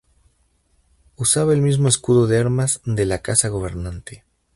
Usaba el mismo escudo de armas de la casa gobernante.